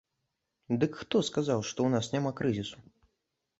Дык хто сказаў, што ў нас няма крызісу?